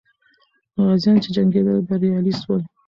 غازیان چې جنګېدل، بریالي سول.